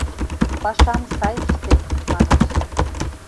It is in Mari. — Пашам сай ыштет, — манеш.